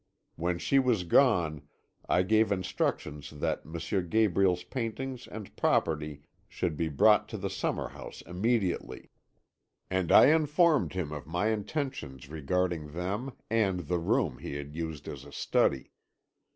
When she was gone I gave instructions that M. Gabriel's paintings and property should be brought to the summer house immediately, and I informed him of my intentions regarding them and the room he had used as a study.